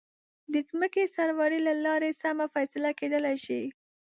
د ځمکې سروې له لارې سمه فیصله کېدلی شي.